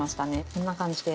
こんな感じで。